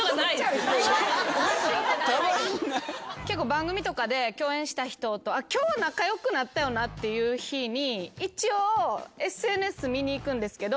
番組とかで共演した人と今日は仲良くなったよなっていう日に一応ＳＮＳ見に行くんですけどフォローはされてないんですよ。